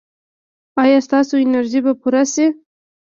ایا ستاسو انرژي به پوره شي؟